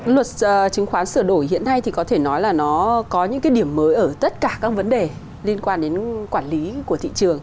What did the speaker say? luật chứng khoán sửa đổi hiện nay thì có thể nói là nó có những cái điểm mới ở tất cả các vấn đề liên quan đến quản lý của thị trường